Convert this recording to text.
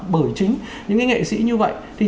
bởi chính những cái nghệ sĩ như vậy